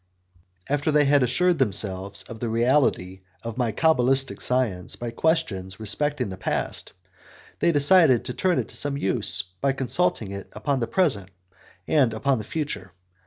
After they had assured themselves of the reality of my cabalistic science by questions respecting the past, they decided to turn it to some use by consulting it upon the present and upon the future.